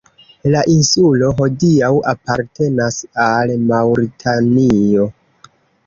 La insulo hodiaŭ apartenas al Maŭritanio.